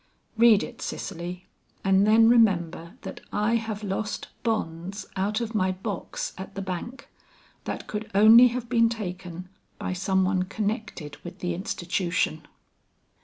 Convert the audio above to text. Read it, Cicely, and then remember that I have lost bonds out of my box at the bank, that could only have been taken by some one connected with the institution."